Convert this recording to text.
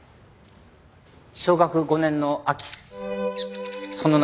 小学５年の秋その夏